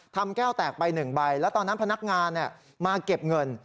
แก้วแตกไป๑ใบแล้วตอนนั้นพนักงานมาเก็บเงิน